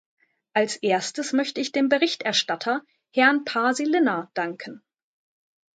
Als erstes möchte ich dem Berichterstatter, Herrn Paasilinna, danken.